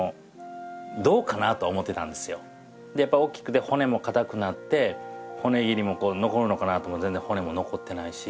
大きくて骨も硬くなって骨切りも残るのかなとでも全然骨も残ってないし。